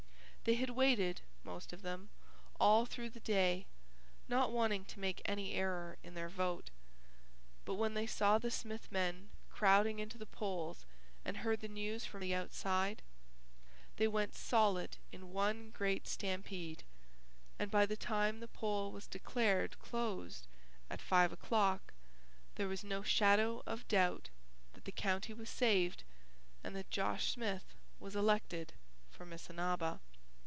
They had waited, most of them, all through the day, not wanting to make any error in their vote, but when they saw the Smith men crowding into the polls and heard the news from the outside, they went solid in one great stampede, and by the time the poll was declared closed at five o'clock there was no shadow of doubt that the county was saved and that Josh Smith was elected for Missinaba.